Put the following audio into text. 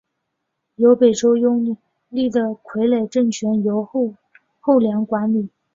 由北周拥立的傀儡政权后梁管理。